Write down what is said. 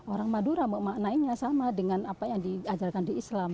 orang madura memaknainya sama dengan apa yang diajarkan di islam